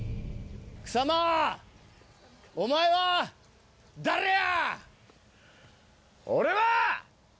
草間お前は誰や！